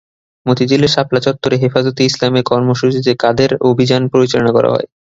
মতিঝিলের শাপলা চত্বরে হেফাজতে ইসলামের কর্মসূচিতে কাদের অভিযান পরিচালনা করা হয়?